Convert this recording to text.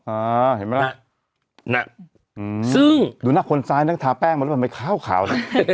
อ่าเห็นไหมล่ะน่ะซึ่งดูหน้าคนซ้ายนั่งทาแป้งมาแล้วทำไมขาวขาว